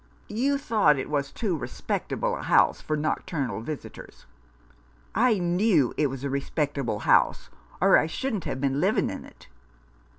" You thought it was too respectable a house for nocturnal visitors ?"" I knew it was a respectable house — or I shouldn't have been living in it."